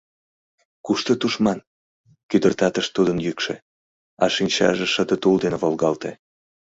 — Кушто тушман? — кӱдыртатыш тудын йӱкшӧ, а шинчаже шыде тул дене волгалте.